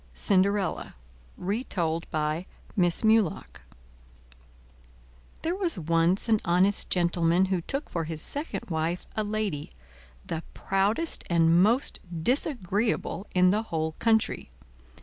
CINDERELLA Retold by Miss Mulock There was once an honest gentleman who took for his second wife a lady, the proudest and most disagreeable in the whole country.